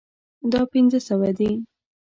دا پنځه سوه دي